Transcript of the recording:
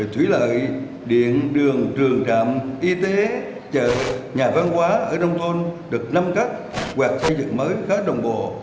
thủy lợi điện đường trường trạm y tế chợ nhà văn hóa ở nông thôn được năm cách hoạt xây dựng mới khá đồng bộ